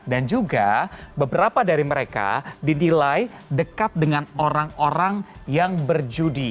dan juga beberapa dari mereka didilai dekat dengan orang orang yang berjudi